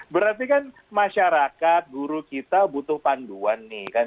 berarti kan masyarakat guru kita butuh panduan nih